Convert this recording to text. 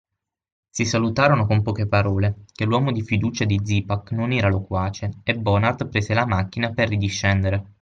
Si salutarono con poche parole, che l'uomo di fiducia di Zipak non era loquace, e Bonard prese la macchina per ridiscendere.